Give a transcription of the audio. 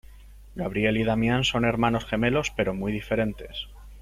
Gabriel y Damián son hermanos gemelos pero muy diferentes.